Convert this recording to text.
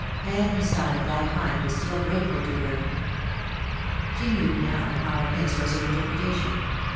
Any sign of that kind was still grateful to her. She knew now how amiss was her interpretation.